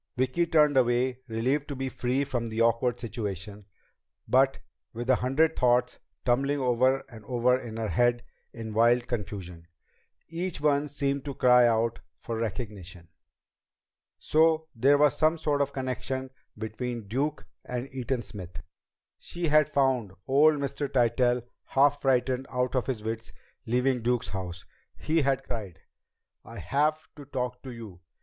Vicki turned away, relieved to be free of the awkward situation, but with a hundred thoughts tumbling over and over in her head in wild confusion, each one seeming to cry out for recognition. So there was some sort of connection between Duke and Eaton Smith! She had found old Mr. Tytell half frightened out of his wits leaving Duke's house. He had cried: "I have to talk to you!"